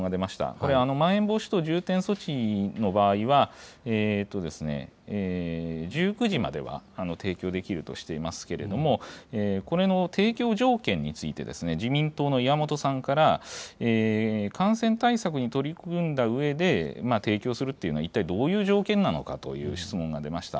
これ、まん延防止等重点措置の場合は、１９時までは提供できるとしていますけれども、これの提供条件について、自民党の岩本さんから、感染対策に取り組んだうえで、提供するというのは一体どういう条件なのかという質問が出ました。